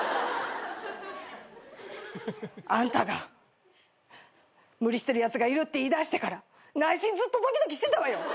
あんたが無理してるやつがいるって言いだしてから内心ずっとドキドキしてたわよ。